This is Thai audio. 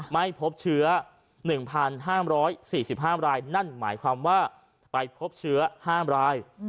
ไม่พบเชื้อ๑๕๔๕รายนั่นหมายความว่าไปพบเชื้อ๕ราย